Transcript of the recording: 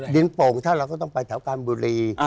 โป่งถ้าเราก็ต้องไปแถวการบุรี